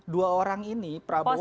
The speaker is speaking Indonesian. dua orang ini prabowo